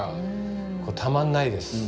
これたまんないです。